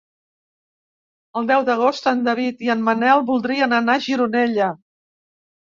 El deu d'agost en David i en Manel voldrien anar a Gironella.